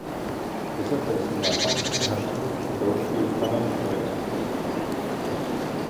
Deshalb wird es in Japan zur Herstellung von Go-Spielbrettern verwendet.